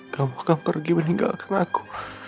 kamu akan pergi meninggalkan aku